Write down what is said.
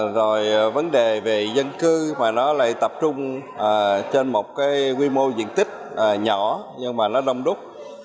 rồi vấn đề về dân cư mà nó lại tập trung trên một cái quy mô diện tích nhỏ nhưng mà nó đông đúc